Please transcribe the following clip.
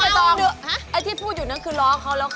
มาตรงฮะเอาหรือซ่ะที่อยู่นั่นคือล้อเขาแล้วค่ะ